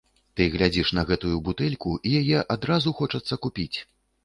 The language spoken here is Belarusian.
Ты глядзіш на гэтую бутэльку, і яе адразу хочацца купіць.